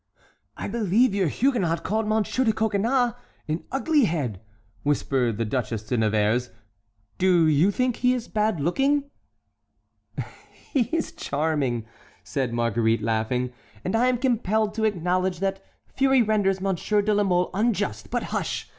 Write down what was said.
"I believe your Huguenot called Monsieur de Coconnas an 'ugly head,'" whispered the Duchesse de Nevers. "Do you think he is bad looking?" "He is charming," said Marguerite, laughing, "and I am compelled to acknowledge that fury renders Monsieur de La Mole unjust; but hush!